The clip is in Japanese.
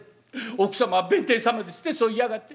お福様は弁天様です』ってそう言いやがって。